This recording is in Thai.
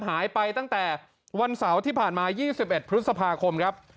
หายไปตั้งแต่วันเสาร์ที่ผ่านมา๒๑พฤษภาคมครับ